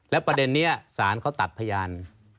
และประเด็นนี้สารเขาตัดพยาน